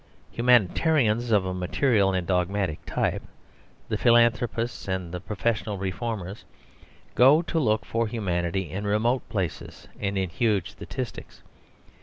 Humanitarians of a material and dogmatic type, the philanthropists and the professional reformers go to look for humanity in remote places and in huge statistics.